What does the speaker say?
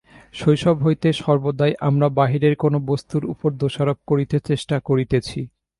শৈশব হইতে সর্বদাই আমরা বাহিরের কোন বস্তুর উপর দোষারোপ করিতে চেষ্টা করিতেছি।